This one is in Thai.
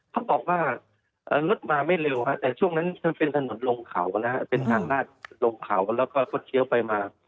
เขาบอกว่ารถมาไม่เร็วแต่ช่วงนั้นมันเป็นถนน๑๙๕๗แล้วก็เคี้ยวไปมา